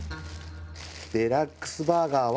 デラックスバーガーは。